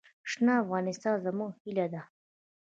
شنه افغانستان زموږ هیله ده.